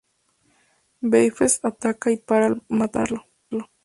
Babyface ataca y Tree le dispara al matarlo.